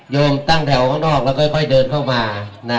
ตั้งแถวข้างนอกแล้วค่อยเดินเข้ามา